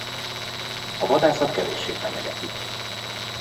A vadászat kevéssé fenyegeti.